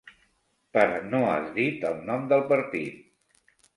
Per no has dit el nom del partit.